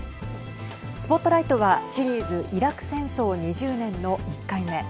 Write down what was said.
ＳＰＯＴＬＩＧＨＴはシリーズイラク戦争２０年の１回目。